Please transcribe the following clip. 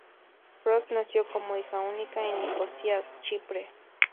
Frost nació como hija única en Nicosia, Chipre.